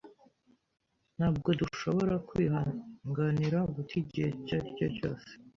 Ntabwo dushobora kwihanganira guta igihe icyo ari cyo cyose.